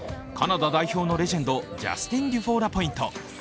カナダ代表のレジェンド、ジャスティン・デュフォーラポイント。